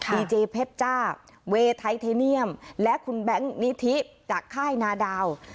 ดีเจเพชรจ้าเวย์ไทเทเนียมและคุณแบงค์นิธิจากค่ายนาดาว